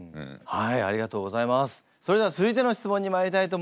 はい！